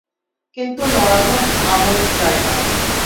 কিন্তু নরাধম আমর যায় না।